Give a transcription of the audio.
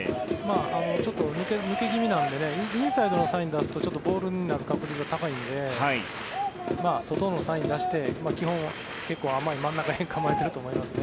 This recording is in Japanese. ちょっと抜け気味なのでインサイドのサインを出すとボールになる確率が高いので外のサインを出して基本、結構甘い真ん中辺に構えていると思います。